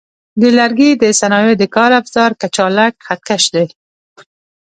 د لرګي د صنایعو د کار افزار کچالک خط کش دی.